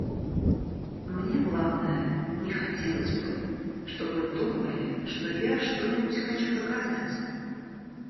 Мне, главное, не хотелось бы, чтобы думали, что я что-нибудь хочу доказать.